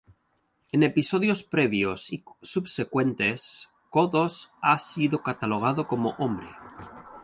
En episodios previos y subsecuentes, Kodos ha sido catalogado como hombre.